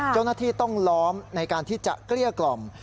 เจ้าหน้าที่ต้องล้อมในการที่จะเกลี้ยกล่อม